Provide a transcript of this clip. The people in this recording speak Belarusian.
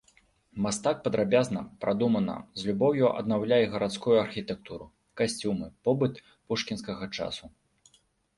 Мастак падрабязна, прадумана, з любоўю аднаўляе гарадскую архітэктуру, касцюмы, побыт пушкінскага часу.